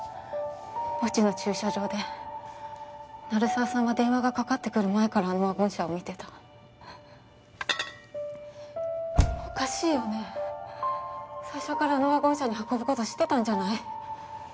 墓地の駐車場で鳴沢さんは電話がかかってくる前からあのワゴン車を見てたおかしいよね最初からあのワゴン車に運ぶこと知ってたんじゃない？